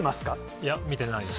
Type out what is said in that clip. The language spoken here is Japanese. いや、見てないですね。